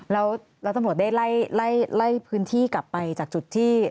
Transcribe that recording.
แล้วตำรวจได้ไล่พื้นที่กลับไปจากจุดที่